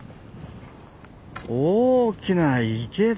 大きな池だ。